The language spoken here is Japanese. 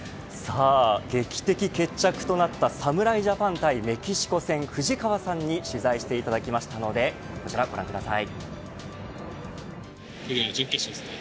劇的決着となった侍ジャパン対メキシコ戦藤川さんに取材していただきましたのでこちらご覧ください。